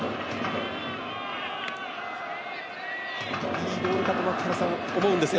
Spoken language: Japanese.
いいボールだとは思うんですがね。